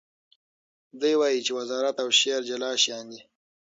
دی وایي چې وزارت او شعر جلا شیان دي.